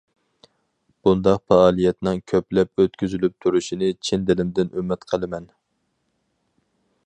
بۇنداق پائالىيەتنىڭ كۆپلەپ ئۆتكۈزۈلۈپ تۇرۇشىنى چىن دىلىمدىن ئۈمىد قىلىمەن.